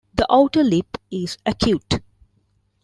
The outer lip is acute.